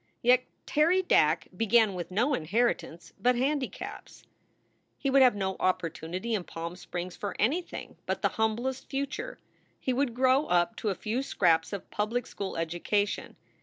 Yet Terry Dack began with no inheritance but handicaps. He would have no opportunity in Palm Springs for any thing but the humblest future. He would grow up to a few scraps of public school education.